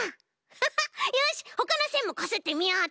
ハハッ！よしほかのせんもこすってみようっと！